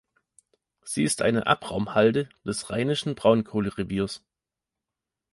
Sie ist eine Abraumhalde des Rheinischen Braunkohlereviers.